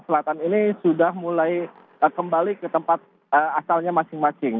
selatan ini sudah mulai kembali ke tempat asalnya masing masing